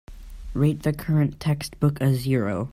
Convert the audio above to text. Rate the current textbook a zero